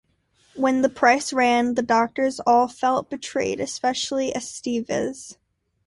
When the piece ran, the actors all felt betrayed, especially Estevez.